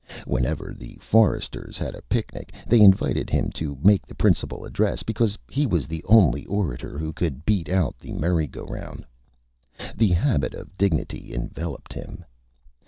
Whenever the Foresters had a Picnic they invited him to make the Principal Address, because he was the only Orator who could beat out the Merry Go Round. The Habit of Dignity enveloped him.